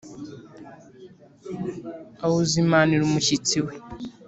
awuzimanira umushyitsi we.